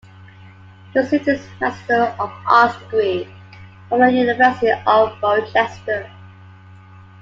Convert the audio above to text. He received his master of arts degree from the University of Rochester.